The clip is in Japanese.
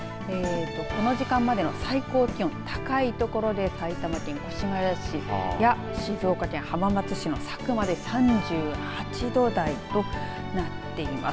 この時間までの最高気温高いところで埼玉県越谷市や静岡県浜松市の佐久間で３８度台となっています。